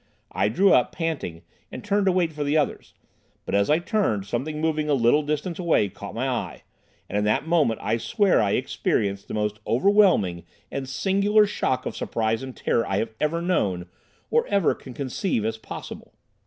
I drew up, panting, and turned to wait for the others. But, as I turned, something moving a little distance away caught my eye, and in that moment I swear I experienced the most overwhelming and singular shock of surprise and terror I have ever known, or can conceive as possible.